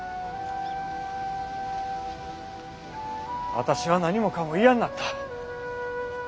私は何もかも嫌になった。